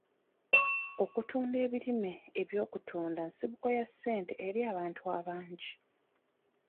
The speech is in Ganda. Okutunda ebirime eby'okutunda nsibuko ya ssente eri abantu abangi.